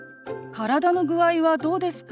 「体の具合はどうですか？」。